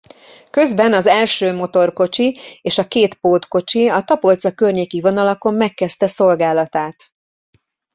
Közben az első motorkocsi és a két pótkocsi a Tapolca-környéki vonalakon megkezdte szolgálatát.